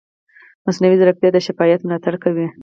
مصنوعي ځیرکتیا د شفافیت ملاتړ کوي.